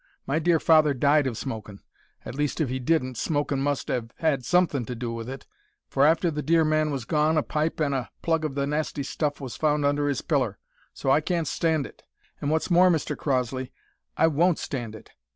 My dear father died of smokin' at least, if he didn't, smokin' must 'ave 'ad somethink to do with it, for after the dear man was gone a pipe an' a plug of the nasty stuff was found under 'is piller, so I can't stand it; an' what's more, Mr Crossley, I won't stand it!